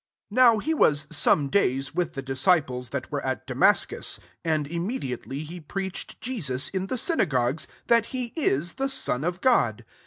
Now he was some days with he disciples, that were at Da aascus. 20 And immediately te preached Jesus in the syna ;ogues, that he is the son of jrod.